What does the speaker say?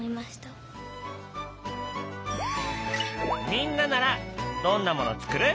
みんなならどんなもの作る？